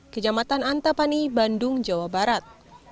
kejamatan antapani bandung jawa barat